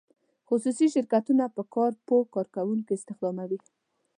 خصوصي شرکتونه په کار پوه کارکوونکي استخداموي.